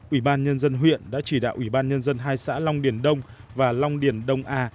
ủy ban nhân dân huyện đã chỉ đạo ủy ban nhân dân hai xã long điền đông và long điền đông a